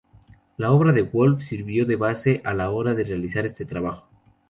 La obra de Wolf sirvió de base a la hora de realizar este trabajo.